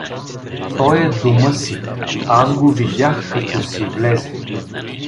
Той е дома си, аз го видях, като си влезе.